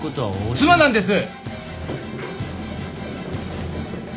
妻なんです！